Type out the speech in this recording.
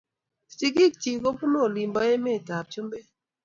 Sigig chik kobunu olin po emet ab chumbek